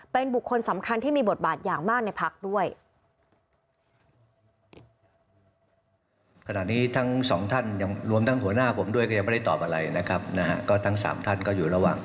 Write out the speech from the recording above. เป็นบุคคลสำคัญที่มีบทบาทอย่างมากในพักด้วย